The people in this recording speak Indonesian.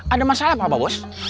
ada masalah pak bos